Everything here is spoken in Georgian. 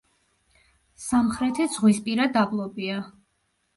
სამხრეთით ზღვისპირა დაბლობია.